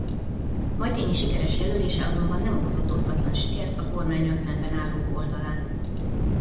Majtényi sikeres jelölése azonban nem okozott osztatlan sikert a kormánnyal szemben állók oldalán.